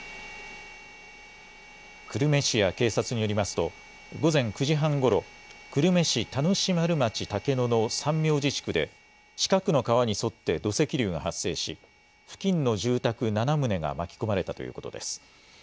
久留米市や警察によりますと、午前９時半ごろ、久留米市田主丸町竹野の三明寺地区で、近くの川に沿って土石流が発生し、付近の住宅７棟が巻き込まれたということです。